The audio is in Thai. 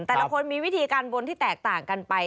แต่ละคนมีวิธีการบนที่แตกต่างกันไป